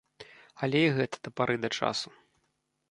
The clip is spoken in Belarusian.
Але і гэта да пары да часу.